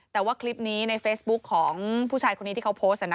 แต่ว่าคลิปนี้ในเฟซบุ๊คของผู้ชายคนนี้ที่เขาโพสต์